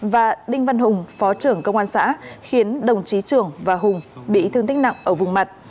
và đinh văn hùng phó trưởng công an xã khiến đồng chí trường và hùng bị thương tích nặng ở vùng mặt